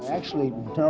ayo ikut untuk memilih